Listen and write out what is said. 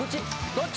どっち？